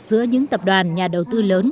giữa những tập đoàn nhà đầu tư lớn